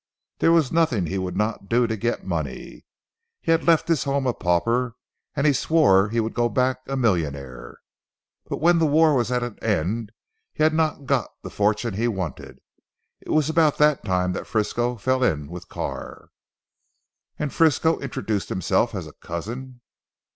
There was nothing he would not do to get money. He had left his home a pauper, and he swore he would go back a millionaire. But when the war was at an end, he had not got the fortune he wanted. It was about that time that Frisco fell in with Carr." "And Frisco introduced himself as a cousin?"